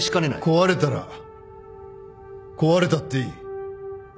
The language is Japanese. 壊れたら壊れたっていい。